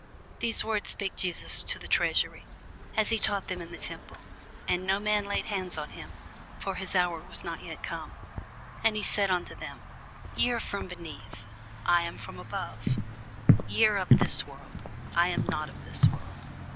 These words spake Jesus in the treasury, as he taught in the temple: and no man laid hands on him; for his hour was not yet come. And he said unto them, Ye are from beneath; I am from above: ye are of this world; I am not of this world.